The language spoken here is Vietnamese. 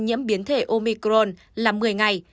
nhiễm biến thể omicron là một mươi ngày